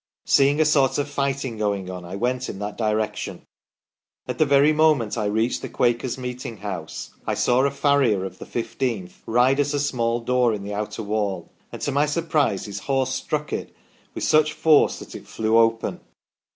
Seeing a sort of fighting going on, I went in that direction. At the very moment I reached the Quakers' meeting house, I saw a farrier of the 1 5th ride at a small door in the outer wall, and to my surprise his horse struck it with such force that it flew open.